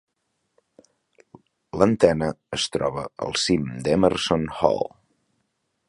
L'antena es troba al cim d'Emerson Hall.